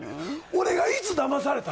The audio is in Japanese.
俺がいつだまされた？